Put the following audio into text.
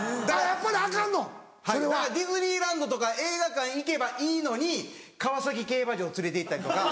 だからディズニーランドとか映画館行けばいいのに川崎競馬場連れて行ったりとか。